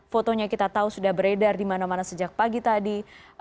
fotonya kita tahu sudah beredar di mana mana sejak pagi tadi